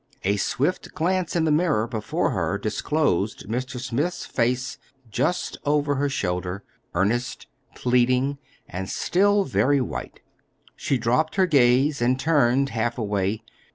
A swift glance in the mirror before her disclosed Mr. Smith's face just over her shoulder, earnest, pleading, and still very white. She dropped her gaze, and turned half away.